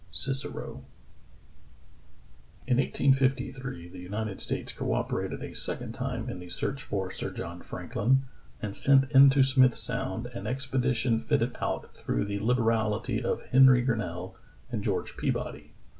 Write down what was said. — Cicero. IN 1853 the United States co operated a second time in the search for Sir John FrankHn, and sent into Smith Sound an expedition fitted out through the liberaHty of Henry Grinnell and George Peabody.